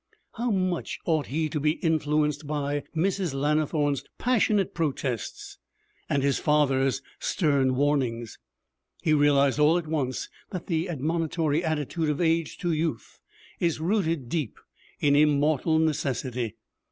How much ought he to be influenced by Mrs. Lannithorne's passionate protests and his father's stern warnings? He realized all at once that the admonitory attitude of age to youth is rooted deep in immortal necessity.